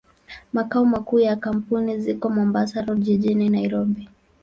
Makao makuu ya kampuni ziko Mombasa Road, jijini Nairobi.